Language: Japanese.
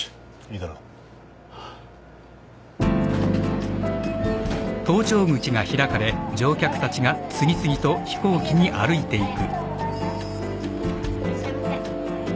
いってらっしゃいませ。